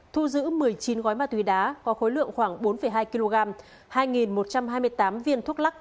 thu giữ một mươi chín gói ma túy đá có khối lượng khoảng bốn hai kg hai một trăm hai mươi tám viên thuốc lắc